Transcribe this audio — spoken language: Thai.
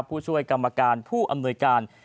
ผู้ช่วยกรรมการผู้อำนวยการ